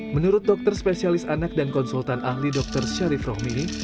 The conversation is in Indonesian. menurut dokter spesialis anak dan konsultan ahli dokter syarif rohmini